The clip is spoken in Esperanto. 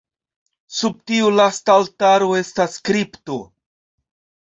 Sub tiu lasta altaro estas kripto.